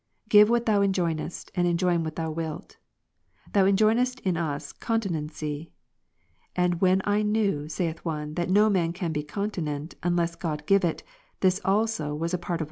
Give what Thou enjoinest, and enjoin whatThou wilt^ Thou enjoinest us continency *; and Wisd. 8, when I knew, saith one, that no man can be continent, unless ^^ God give it, this also ivas a part of i.